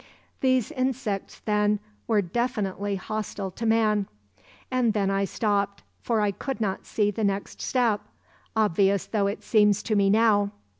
"These insects, then, were definitely hostile to man; and then I stopped, for I could not see the next step, obvious though it seems to me now.